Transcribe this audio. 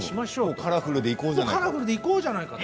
カラフルでいこうじゃないかと。